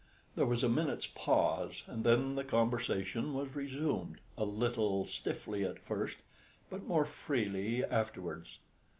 There was a minute's pause, and then the conversation was resumed, a little stiffly at first, but more freely afterwards.